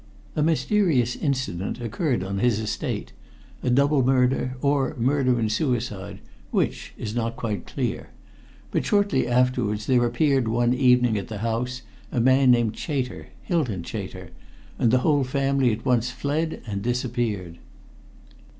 A mysterious incident occurred on his estate a double murder, or murder and suicide; which is not quite clear but shortly afterwards there appeared one evening at the house a man named Chater, Hylton Chater, and the whole family at once fled and disappeared."